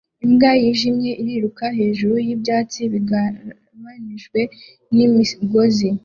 Imbwa yijimye iriruka hejuru y'ibyatsi bigabanijwe n'imigozi